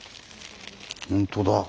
本当だ。